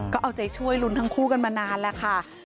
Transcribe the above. ก็เอาใจช่วยลุ้นทั้งคู่กันมานานแล้วค่ะ